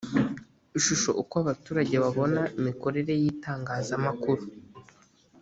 ishusho uko abaturage babona imikorere y itangazamakuru